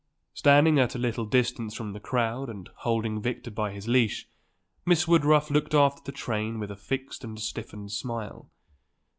Standing at a little distance from the crowd, and holding Victor by his leash, Miss Woodruff looked after the train with a fixed and stiffened smile.